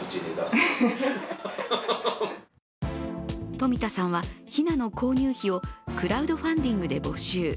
冨田さんはひなの購入費をクラウドファンディングで募集。